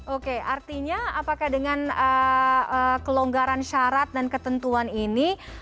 oke artinya apakah dengan kelonggaran syarat dan ketentuan ini